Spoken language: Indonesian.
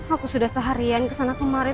aku sudah seharian kesana kemarin